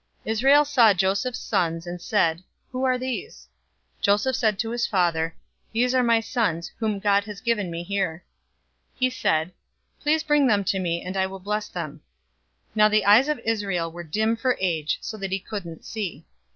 048:008 Israel saw Joseph's sons, and said, "Who are these?" 048:009 Joseph said to his father, "They are my sons, whom God has given me here." He said, "Please bring them to me, and I will bless them." 048:010 Now the eyes of Israel were dim for age, so that he couldn't see.